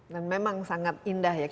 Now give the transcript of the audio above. dan memang sangat indah ya